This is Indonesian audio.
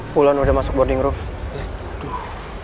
puluhan udah masuk boarding room